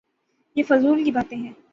یہ فضول کی باتیں ہیں۔